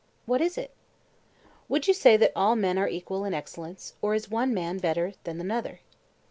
What is it? Would you say that all men are equal in excellence, or is one man better than another?